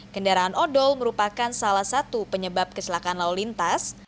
kendaraan odol merupakan salah satu penyebab kecelakaan lalu lintas